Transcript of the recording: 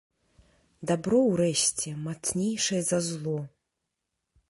Дабро ўрэшце мацнейшае за зло.